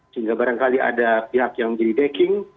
sehingga barangkali ada pihak yang menjadi backing